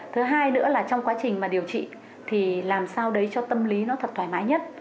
thứ hai nữa là trong quá trình mà điều trị thì làm sao đấy cho tâm lý nó thật thoải mái nhất